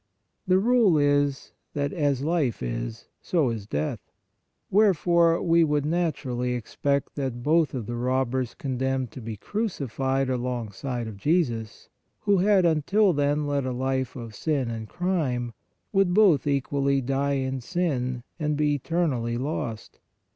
The rule is that "as life is, so is death." Wherefore we would naturally expect that both of the robbers condemned to be crucified alongside of Jesus, who had until then led a life of sin and crime, would both equally die in sin and be eternally lost.